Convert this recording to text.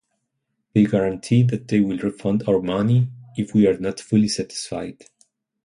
They guarantee that they will refund our money if we are not fully satisfied.